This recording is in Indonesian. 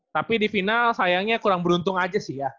tapi di final sayangnya kurang beruntung aja sih ya